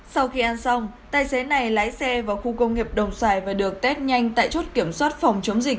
sau khi ăn xong tài xế này lái xe vào khu công nghiệp đồng xoài và được test nhanh tại chốt kiểm soát phòng chống dịch